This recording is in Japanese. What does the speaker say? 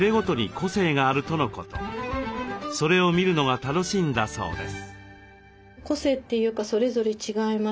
それを見るのが楽しいんだそうです。